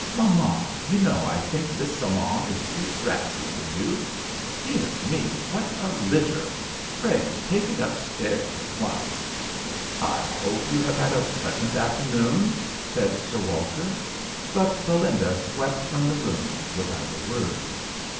Mamma, you know I think this salon is too draughty for you. Dear me! what a litter! Pray take it upstairs at once." " I hope you have had a plea sant afternoon," said Sir Walter. But Belinda swept from the room without a word.